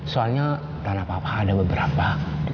soalnya tanah papa ada beberapa